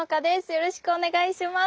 よろしくお願いします。